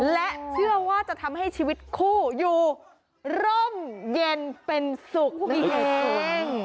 และเชื่อว่าจะทำให้ชีวิตคู่อยู่ร่มเย็นเป็นสุขนี่เอง